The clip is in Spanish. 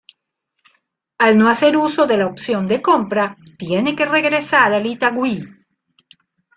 Al no hacer uso de la opción de compra, tiene que regresar al Itagüí.